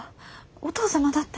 お義父様だって。